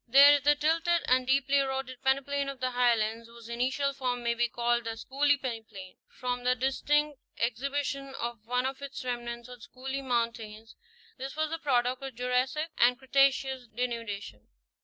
There is the tilted and deeply eroded peneplain of the Highlands, whose initial form may be called the Schooley peneplain, from the dis tinct exhibition of one of its remnants on Schooley's mountain ; this was the product of Jurassic and Cretaceous denudation.